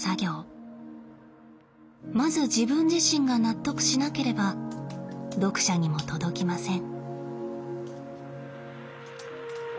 まず自分自身が納得しなければ読者にも届きません。